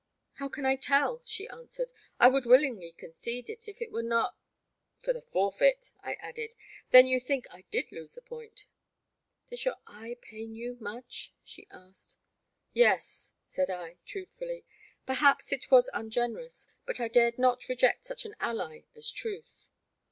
'* "How can I tell," she answered; *'I would willingly concede it if it were not '*" For the forfeit," I added ; *'then you think I did lose the point ?" Does your eye pain very much ?'' she asked. Yes," said I, truthfully. Perhaps it was un generous, but I dared not reject such an ally as truth.